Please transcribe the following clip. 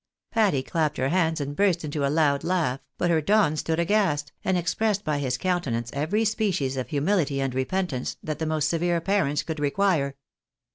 Patty clapped her hands and burst into a loud laugh, but her Don stood aghast, and expressed by his countenance every species of humility and repentance, that the most severe parents could require.